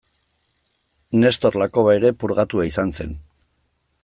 Nestor Lakoba ere purgatua izan zen.